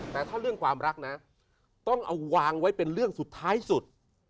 แต่ถ้าเรื่องความรักนะต้องเอาวางไว้เป็นเรื่องสุดท้ายสุด